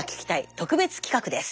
特別企画です。